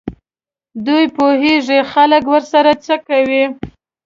دوی پوهېږي خلک ورسره څه کوي.